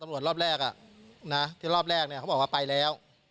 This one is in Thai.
รอบแรกที่รอบแรกเนี่ยเขาบอกว่าไปแล้ว